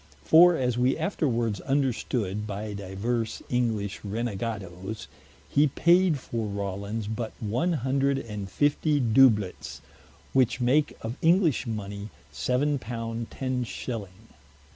For as we afterwards understood by divers English Renegadoes, he paid for Rawlins but one hundred and fiftie Dooblets, which make of English money seven pound ten shilling.